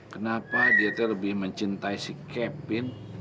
kenapa dia lebih mencintai si kevin